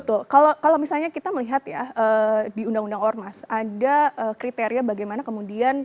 betul kalau misalnya kita melihat ya di undang undang ormas ada kriteria bagaimana kemudian